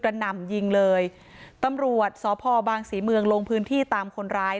หน่ำยิงเลยตำรวจสพบางศรีเมืองลงพื้นที่ตามคนร้าย